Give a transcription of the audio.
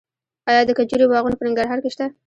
آیا د کجورې باغونه په ننګرهار کې شته؟